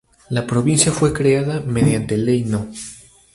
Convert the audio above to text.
La Provincia fue creada mediante Ley No.